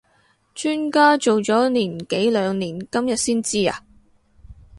磚家做咗年幾兩年今日先知呀？